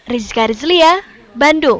rizka rizlia bandung